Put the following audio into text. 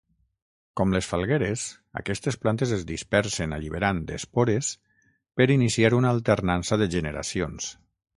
Com les falgueres, aquestes plantes es dispersen alliberant espores per iniciar una alternança de generacions.